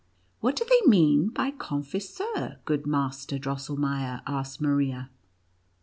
" What do they mean by ( Con fiseur,' good Master Drosselmeier V asked Maria.